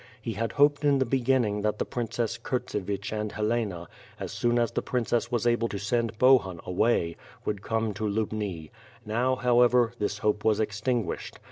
He had hoped in the beginning that the Princess Kurtsevich and Helena, as soon as the princess was able to send Bohun away, would come to Lubni; now, however, this hope was extin guished.